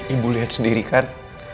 ibu liat sendiri kan